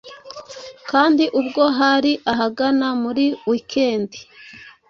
kandi ubwo hari ahagana muri weekend